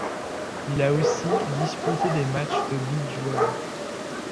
Il a aussi disputé des matchs de beach-volley.